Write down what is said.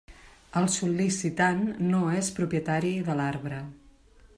El sol·licitant no és propietari de l'arbre.